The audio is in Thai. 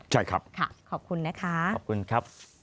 ใช่ครับค่ะขอบคุณนะคะ